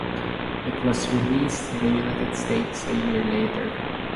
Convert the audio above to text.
It was released in the United States a year later.